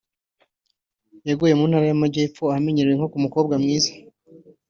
yaguye mu Ntara y’Amajyepfo ahamenyerewe nko ku ‘Mukobwa mwiza’